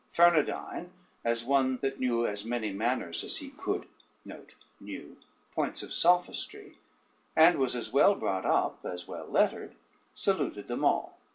Fernandyne, as one that knew as many manners as he could points of sophistry, and was as well brought up as well lettered, saluted them all.